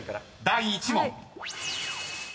［第１問］